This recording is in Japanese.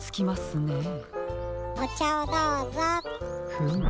フム。